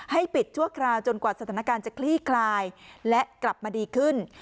ปิดชั่วคราวจนกว่าสถานการณ์จะคลี่คลายและกลับมาดีขึ้น